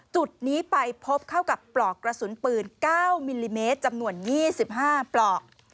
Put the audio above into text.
จุดนี้ไปพบเข้ากับปลอกกระสุนปืน๙มิลลิเมตรจำนวน๒๕ปลอก